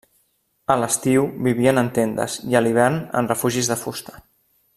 A l'estiu vivien en tendes i a l'hivern en refugis de fusta.